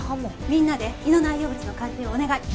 みんなで胃の内容物の鑑定をお願い。